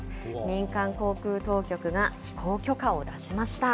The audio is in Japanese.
民間航空当局が、飛行許可を出しました。